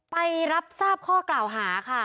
ไปรับทราบข้อกล่าวหาค่ะ